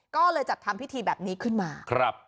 ก็เลยจัดทำพิธีแบบนี้ขึ้นมา